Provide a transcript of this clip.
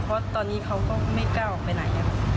เพราะตอนนี้เขาก็ไม่กล้าออกไปไหนอย่างนี้